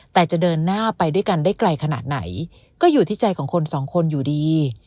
แต่จะเดินหน้าไปด้วยกันได้ไกลขนาดไหนก็อยู่ที่ใจของคนสองคนอยู่ดี